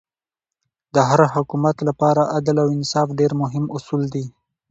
د هر حکومت له پاره عدل او انصاف ډېر مهم اصول دي.